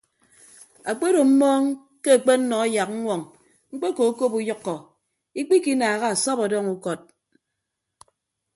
Akpedo mmọọñ ke akpennọ yak ññwoñ mkpekokop uyʌkkọ ikpikinaaha asọp ọdọñ ukọd.